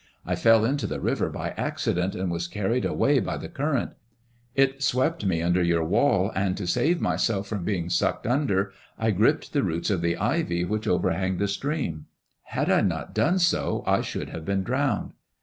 " I fell into the river by accident, and was carried away by the current. It swept me under your wall, and to save myself from being sucked under, I gripped the roots of the ivy which overhangs the stream. Had I not done so I should have been drowned.